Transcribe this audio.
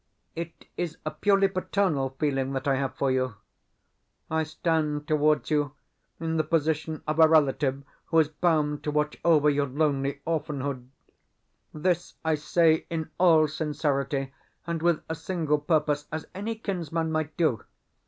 It is a purely paternal feeling that I have for you. I stand towards you in the position of a relative who is bound to watch over your lonely orphanhood. This I say in all sincerity, and with a single purpose, as any kinsman might do.